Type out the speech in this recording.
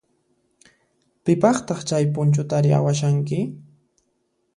Pipaqtaq chay punchutari awashanki?